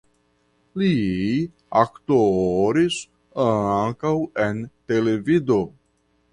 Li aktoris ankaŭ en televido.